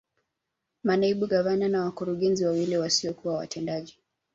Manaibu Gavana na wakurugenzi wawili wasiokuwa watendaji